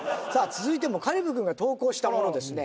続いても香里武君が投稿したものですね